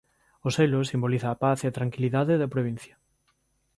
O selo simboliza a paz e a tranquilidade da provincia.